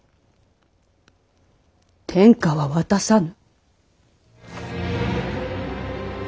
天下は渡さぬ。